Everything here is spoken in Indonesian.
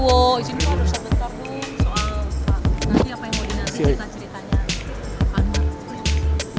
wow ini harusnya bentar dong soal nanti apa yang mau dinanti cerita ceritanya pak anwar